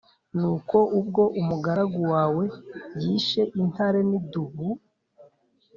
Nuko ubwo umugaragu wawe yishe intare n’idubu